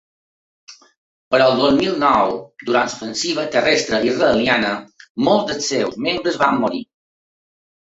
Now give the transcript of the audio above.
Però el dos mil nou, durant l’ofensiva terrestre israeliana, molts dels seus membres van morir.